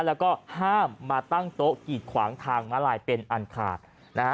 แล้วก็ห้ามมาตั้งโต๊ะกีดขวางทางมาลายเป็นอันขาดนะฮะ